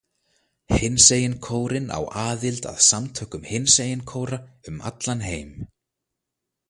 Hinsegin kórinn á aðild að samtökum hinsegin kóra um allan heim.